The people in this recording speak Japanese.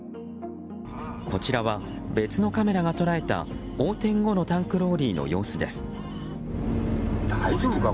こちらは、別のカメラが捉えた横転後のタンクローリーの様子です。